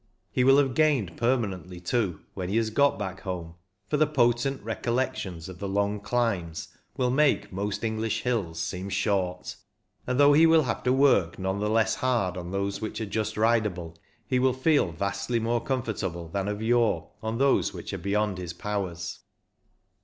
He will have gained permanently, too, when he has got back home, for the potent recollections of the long climbs will make most English hills seem short ; and though he will have 2i6 CYCLING IN THE ALPS to work none the less hard on those which are just ridable, he will feel vastly more comfortable than of yore on those which are beyond his powers.